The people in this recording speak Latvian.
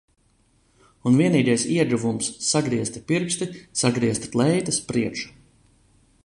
Un vienīgais ieguvums sagriezti pirksti, sagriezta kleitas priekša.